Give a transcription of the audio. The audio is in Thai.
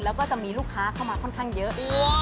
แล้วก็จะมีลูกค้าเข้ามาค่อนข้างเยอะ